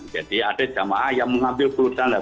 jadi ada jamaah yang mengambil pelunasannya